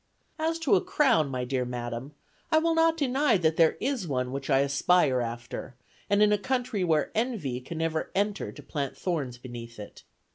"As to a crown, my dear Madam, I will not deny that there is one which I aspire after, and in a country where envy can never enter to plant thorns beneath it.